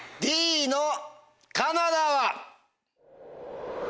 Ｄのカナダは。